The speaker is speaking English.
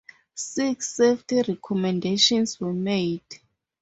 Six safety recommendations were made.